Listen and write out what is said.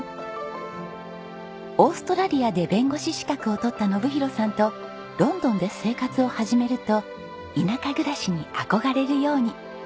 オーストラリアで弁護士資格を取った信博さんとロンドンで生活を始めると田舎暮らしに憧れるように。